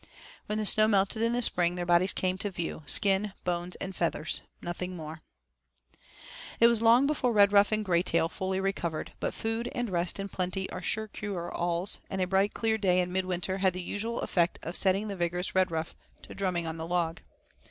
When the snow melted in the spring their bodies came to view, skin, bones, and feathers nothing more. VII It was long before Redruff and Graytail fully recovered, but food and rest in plenty are sure cure alls, and a bright clear day in midwinter had the usual effect of setting the vigorous Redruff to drumming on the log.